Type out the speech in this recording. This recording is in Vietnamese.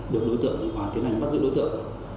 được đối tượng và tiến hành bắt giữ đối tượng